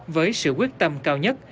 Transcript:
với sự quyết tâm cao nhất